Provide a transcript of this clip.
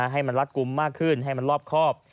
ให้มันรัดกลุ่มมากขึ้นให้มันรอบครอบ